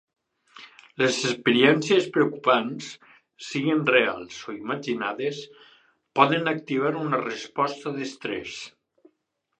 Les experiències preocupants, siguin reals o imaginades, poden activar una resposta d'estrès.